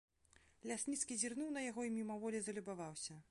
Лясніцкі зірнуў на яго і мімаволі залюбаваўся.